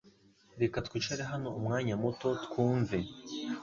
Reka twicare hano umwanya muto twumve.